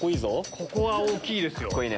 ここは大きいですよ。